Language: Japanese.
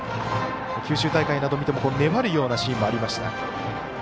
九州大会などを見ても粘るようなシーンもありました。